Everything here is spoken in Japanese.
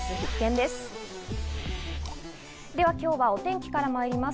では今日はお天気からまいります。